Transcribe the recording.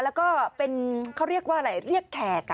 แล้วก็เป็นเขาเรียกว่าอะไรเรียกแขก